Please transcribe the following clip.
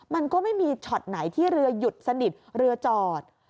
มันก็ไม่มีช็อตไหนที่เรือหยุดสนิทเรือจอด